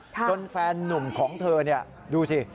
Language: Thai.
แฟนนุ่มของเธอดูสิ